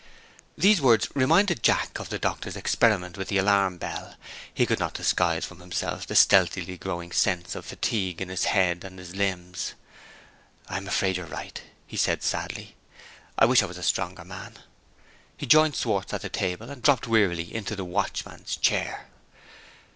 These words reminded Jack of the doctor's experiment with the alarm bell. He could not disguise from himself the stealthily growing sense of fatigue in his head and his limbs. "I'm afraid you're right," he said sadly. "I wish I was a stronger man." He joined Schwartz at the table, and dropped wearily into the watchman's chair.